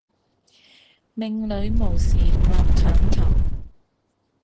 命裡無時莫強求